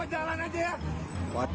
buat jalan aja ya